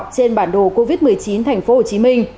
trên bản đồ covid một mươi chín tp hcm